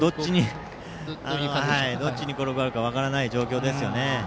どっちに転ぶか分からない状況ですよね。